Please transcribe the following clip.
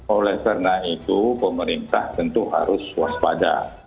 oleh karena itu pemerintah tentu harus waspada